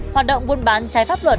hoạt động quân bán trái pháp luật